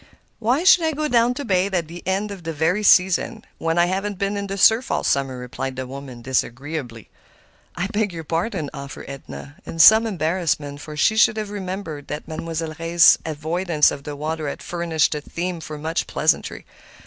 "Why should I go down to bathe at the very end of the season when I haven't been in the surf all summer," replied the woman, disagreeably. "I beg your pardon," offered Edna, in some embarrassment, for she should have remembered that Mademoiselle Reisz's avoidance of the water had furnished a theme for much pleasantry.